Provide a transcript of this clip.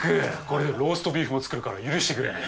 これでローストビーフも作るから許してくれ！